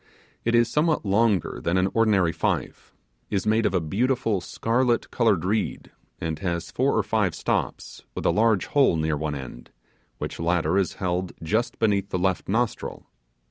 It is somewhat longer than an ordinary fife; is made of a beautiful scarlet coloured reed; and has four or five stops, with a large hole near one end, which latter is held just beneath the left nostril.